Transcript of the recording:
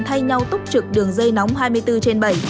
thay nhau túc trực đường dây nóng hai mươi bốn trên bảy